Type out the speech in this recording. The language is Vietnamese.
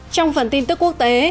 trong phần tin tức quốc tế